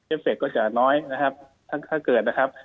เอฟเฟคก็จะน้อยถ้าเกิดนะครับ